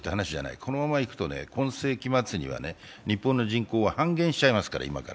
このままいくと、今世紀末には日本の人口は今より半減しちゃいますから。